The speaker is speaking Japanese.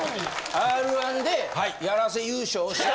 『Ｒ−１』でやらせ優勝をした。